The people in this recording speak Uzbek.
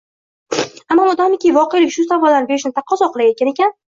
Ammo, modomiki voqelik shu savollarni berishni taqozo qilayotgan ekan